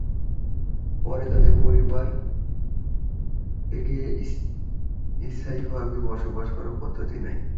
পরে, তাদের পরিবার হেগে স্থায়ীভাবে বসবাস করার সিদ্ধান্ত নেয়।